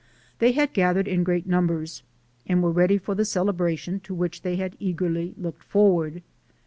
They had gathered in great numbers and were ready for the celebration to which they had eagerly looked forward.